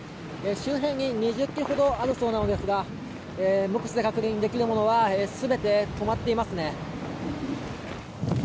周辺に２０基ほどあるそうなのですが目視で確認できるものは全て止まっていますね。